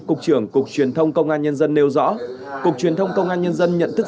cục trưởng cục truyền thông công an nhân dân nêu rõ cục truyền thông công an nhân dân nhận thức